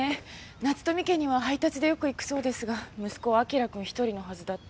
夏富家には配達でよく行くそうですが息子は輝くん１人のはずだって。